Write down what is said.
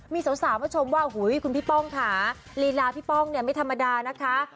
มีสาวมาชมว่าคุณพี่ป้องค่ะลีลาพี่ป้องเนี่ยไม่ธรรมดานะคะ